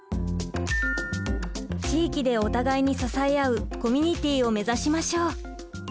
地域でお互いに支え合うコミュニティを目指しましょう。